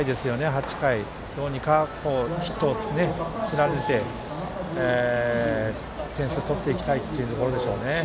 ８回、どうにかヒットを連ねて点数を取っていきたいところでしょうね。